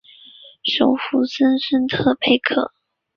首府森孙特佩克。